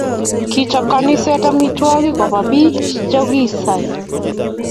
Kichop kaniset amitwokik kopa bik chokisai